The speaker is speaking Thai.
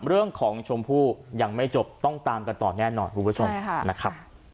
เรื่องของชมพู่ยังไม่จบต้องตามกันต่อแน่นอนคุณผู้ชมใช่ค่ะนะครับ